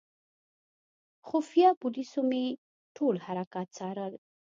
خفیه پولیسو مې ټول حرکات څارل.